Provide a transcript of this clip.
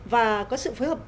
và có sự phối hợp